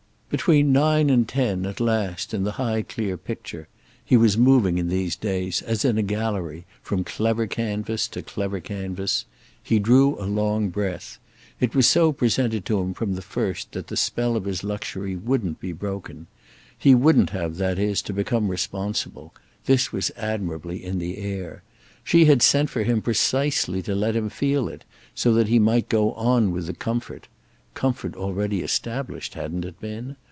Between nine and ten, at last, in the high clear picture—he was moving in these days, as in a gallery, from clever canvas to clever canvas—he drew a long breath: it was so presented to him from the first that the spell of his luxury wouldn't be broken. He wouldn't have, that is, to become responsible—this was admirably in the air: she had sent for him precisely to let him feel it, so that he might go on with the comfort (comfort already established, hadn't it been?)